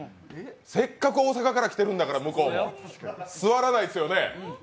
せっかく大阪から来てるんだから、向こうも、座らないですよね？